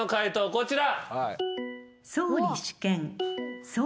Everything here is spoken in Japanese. こちら。